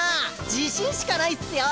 自信しかないっスよ。